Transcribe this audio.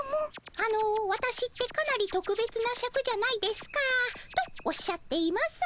「あのワタシってかなりとくべつなシャクじゃないですか」とおっしゃっています。